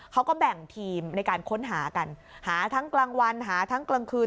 เขาก็แบ่งทีมในการค้นหากันหาทั้งกลางวันหาทั้งกลางคืน